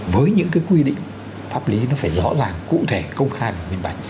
với những cái quy định pháp lý nó phải rõ ràng cụ thể công khai và nguyên bản